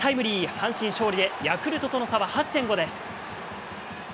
阪神勝利で、ヤクルトとの差は８．５です。